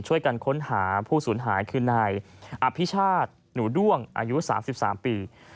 ช่วยกันค้นหาผู้สูญหายคือนายอภิชาติหนูด้วงอายุ๓๓ปี